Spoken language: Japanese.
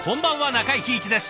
中井貴一です。